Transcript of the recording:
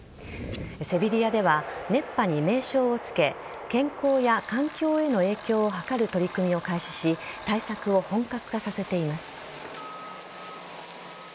セビリアでは熱波に名称をつけ健康や環境への影響を図る取り組みを開始し対策を本格化させています。